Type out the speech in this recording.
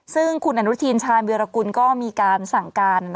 ซึ่งคุณอนุทินชาญวิรากุลก็มีการสั่งการ